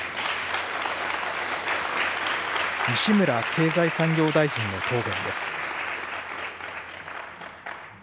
西村経済産業大臣の答弁です。